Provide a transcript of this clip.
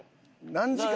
何時間。